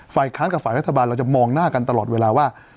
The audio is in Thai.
ค้างกับฝ่ายรัฐบาลเราจะมองหน้ากันตลอดเวลาว่า